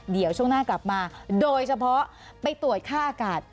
เดี๋ยวช่วงหน้ากลับมาโดยเฉพาะไปตรวจค่าอากาศ